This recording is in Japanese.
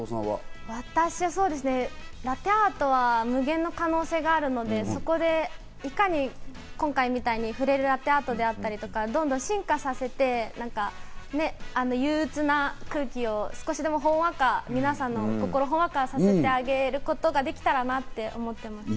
私は、ラテアートは無限の可能性があるので、そこでいかに今回みたいに触れるラテアートであったり、どんどん進化させて、憂うつな空気を少しでもほんわか、皆さんの心をほんわかさせてあげることができたらなと思っております。